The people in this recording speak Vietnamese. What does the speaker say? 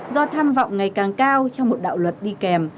do tham vọng ngày càng cao trong một đạo luật đi kèm